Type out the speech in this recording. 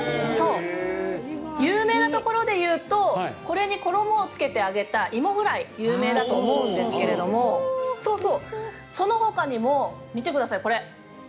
有名なところでいうとこれに衣をつけて揚げた芋フライ有名だと思うんですけどもその他にも見てください。